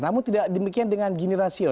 namun tidak demikian dengan gini rasio